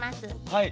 はい。